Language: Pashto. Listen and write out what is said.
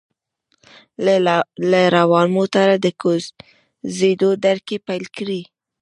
له روان موټره د کوزیدو دړکې پېل کړې.